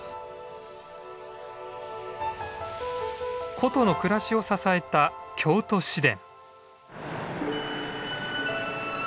古都の暮らしを支えた京都市電。